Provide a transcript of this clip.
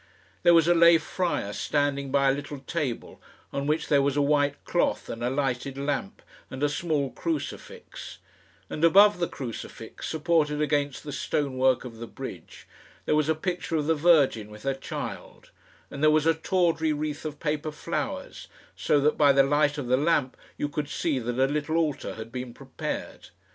There was a lay friar standing by a little table, on which there was a white cloth and a lighted lamp and a small crucifix; and above the crucifix, supported against the stone work of the bridge, there was a picture of the Virgin with her Child, and there was a tawdry wreath of paper flowers, so that by the light of the lamp you could see that a little altar had been prepared.